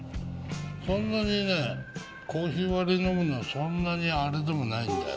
そんなにねコーヒー割り飲むのはそんなにあれでもないんだよ。